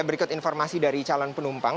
berikut informasi dari calon penumpang